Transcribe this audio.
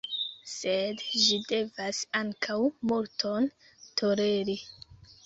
Sed ĝi devas ankaŭ multon toleri.